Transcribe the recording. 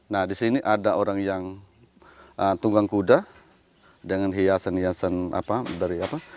nah di sini ada orang yang tunggang kuda dengan hiasan hiasan apa dari apa